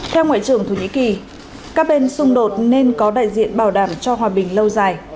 theo ngoại trưởng thổ nhĩ kỳ các bên xung đột nên có đại diện bảo đảm cho hòa bình lâu dài